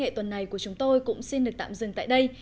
khía kia tuần này của chúng tôi cũng xin được tạm dừng tại đây